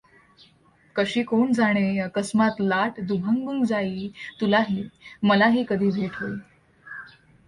कशी कोण जाणे अकस्मात लाट दुभंगून जाई तुलाही मलाही कधी भेट होई?